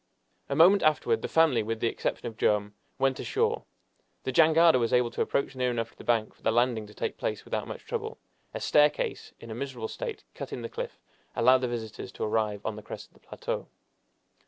A moment afterward the family, with the exception of Joam, went ashore. The jangada was able to approach near enough to the bank for the landing to take place without much trouble. A staircase, in a miserable state, cut in the cliff, allowed the visitors to arrive on the crest of the plateau.